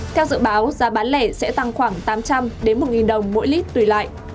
theo dự báo giá bán lẻ sẽ tăng khoảng tám trăm linh một đồng mỗi lít tùy lại